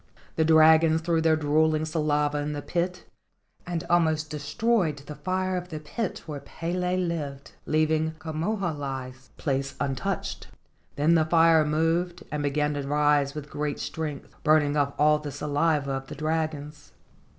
The dragons threw their drool¬ ing saliva in the pit, and almost destroyed the fire of the pit where Pele lived, leaving Ka moho alii's place untouched. Then the fire moved and began to rise with great strength, burning off all the saliva of the dragons.